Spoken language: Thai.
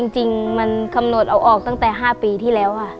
จริงมันกำหนดเอาออกตั้งแต่๕ปีที่แล้วค่ะ